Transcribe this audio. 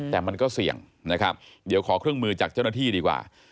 แต่มันก็เสี่ยงนะครับเดี๋ยวขอเครื่องมือจากเจ้าหน้าที่ดีกว่า